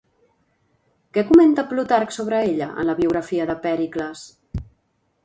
Què comenta Plutarc sobre ella en la biografia de Pèricles?